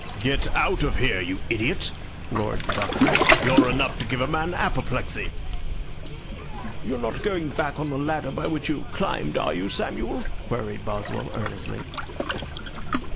"Get out of here, you idiot!" roared the Doctor. "You're enough to give a man apoplexy." "You're not going back on the ladder by which you have climbed, are you, Samuel?" queried Boswell, earnestly.